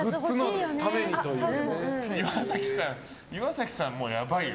岩崎さん、もうやばいよ。